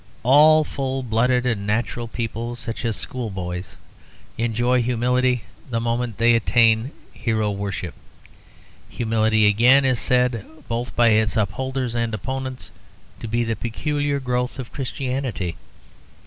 All full blooded and natural people, such as schoolboys, enjoy humility the moment they attain hero worship. Humility, again, is said both by its upholders and opponents to be the peculiar growth of Christianity.